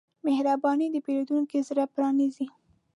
مهرباني د پیرودونکي زړه پرانیزي.